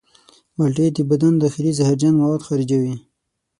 مالټې د بدن داخلي زهرجن مواد خارجوي.